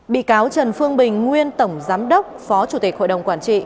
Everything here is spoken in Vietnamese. bị cáo trần phương bình nguyên tổng giám đốc phó chủ tịch hội đồng quản trị